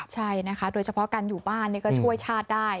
ใช่นะคะโดยเฉพาะการอยู่บ้านก็ช่วยชาติได้